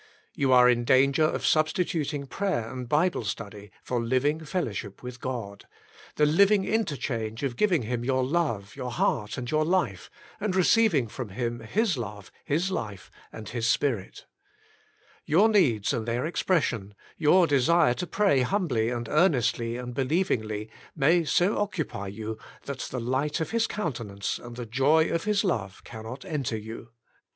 You are in danger of substituting Prayer and Bible Study for living fellowship with God, the living interchange of giving Him your love, your heart, and your life, and receiving from Him His love. His life, and His spirit. Your needs and their expression, your desire to pray humbly and ear nestly and believingly, may so occupy you, that The Door Shut — Alone with God 17 the light of His countenance and the joy of His love cannot enter you.